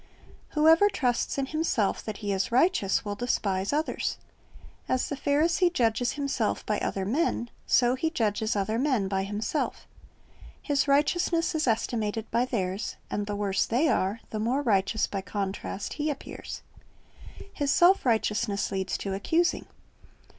Whoever trusts in himself that he is righteous, will despise others. As the Pharisee judges himself by other men, so he judges other men by himself His righteousness is estimated by theirs, and the worse they are, the more righteous by contrast he appears. His self righteousness leads to accusing.